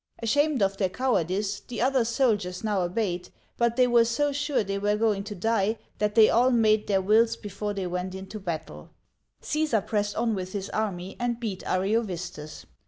'* Ashamed of their cowardice, the other soldiers now obeyed, but they were so sure they were going to die that they all made their wills before they went into battle. Caesar pressed on with his army and beat Ariovistus.